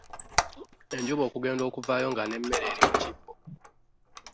Enjuba okugenda okuvaayo nga n'emmere eri mu kibbo.